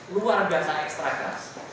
luar biasa ekstra keras